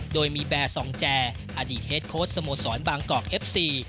โดยมีแบร์ซองแจอดีตเฮดโค้ดสโมสรบางกอกเอฟซี